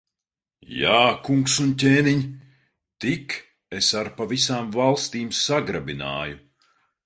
Jā, kungs un ķēniņ! Tik es ar pa visām valstīm sagrabināju.